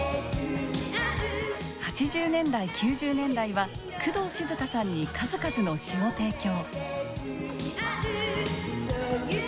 ８０年代９０年代は工藤静香さんに数々の詞を提供。